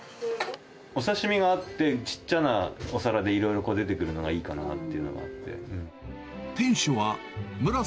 お刺身があって、ちっちゃなお皿でいろいろ出てくるのがいいかなって。